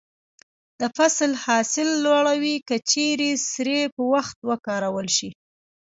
د فصل حاصل لوړوي که چیرې سرې په وخت وکارول شي.